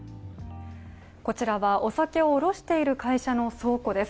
こちらはお酒を卸している会社の倉庫です